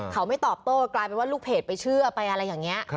เขาไม่ตอบโต้กลายเป็นว่าลูกเพจไปเชื่อไปอะไรอย่างนี้